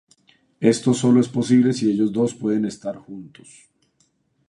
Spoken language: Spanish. Esto sólo es posible si ellos dos pueden estar juntos.